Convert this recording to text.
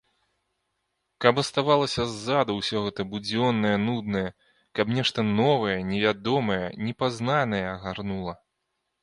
Каб аставалася ззаду ўсё гэта будзённае, нуднае, каб нешта новае, невядомае, непазнанае агарнула.